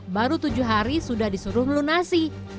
baru tujuh hari sudah disuruh melunasi